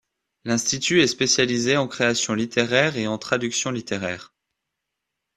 L'institut est spécialisé en création littéraire et en traduction littéraire.